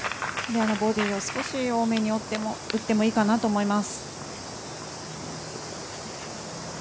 ボディーを少し多めに打ってもいいかなと思います。